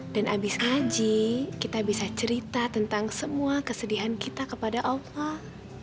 dan abis ngaji kita bisa cerita tentang semua kesedihan kita kepada allah